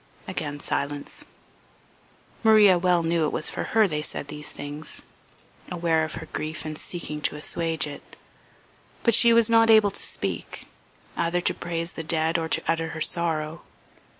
Again silence. Maria well knew it was for her they said these things aware of her grief and seeking to assuage it; but she was not able to speak, either to praise the dead or utter. her sorrow.